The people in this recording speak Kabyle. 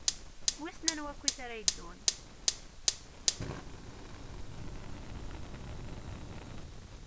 Wissen anwa akkit ara yeddun?